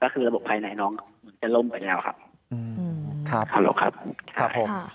คือระบบภัยในน้องจะล่มไปแล้วครับ